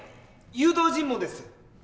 誘導尋問です。